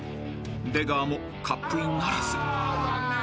［出川もカップインならず］